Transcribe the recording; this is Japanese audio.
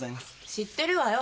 知ってるわよ。